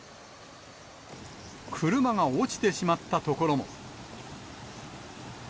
車が落ちてしまった所も。